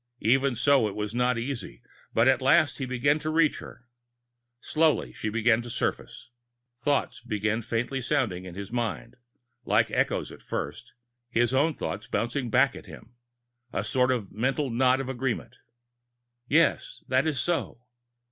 Even so, it was not easy; but at last he began to reach her. Slowly she began to surface. Thoughts faintly sounded in his mind, like echoes at first, his own thoughts bouncing back at him, a sort of mental nod of agreement: "Yes, that is so."